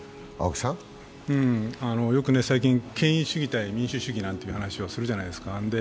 よく最近、権威主義対民主主義なんていう話をするじゃないですか。